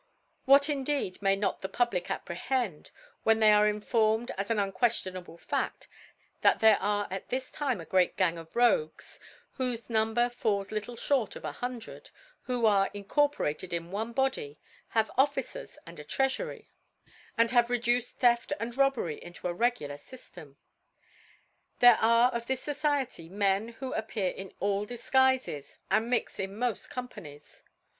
What indeed may not the Public apprehend, when they are in formed as an unqueftionable Faft, that there is at this Time a great Gang of Rogue , B 2 whole (4) « whofe Number falls Fitdc (hort of a Hun* drcd, who are incorporated in one Body* have Officers and a Treafury ; and have re*" duccd Theft and Robbery into a regular Syf Icin. There are of this Society of Men who appear in all Difguifes, and mix in mod Companies.